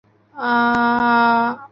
常见的最高要求是水和空气污染。